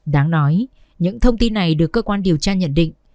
đáng nói những thông tin này được cơ quan điều tra nhận định